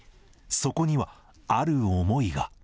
そこにはある思いが。